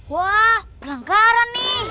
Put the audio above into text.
wah pelanggaran nih